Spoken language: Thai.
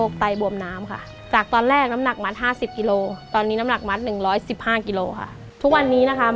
กินติดต่อกัน๖ปีค่ะ